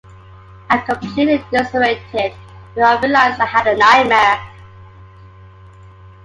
I'm completely disoriented before I realize I've had a nightmare.